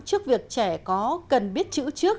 trước việc trẻ có cần biết chữ trước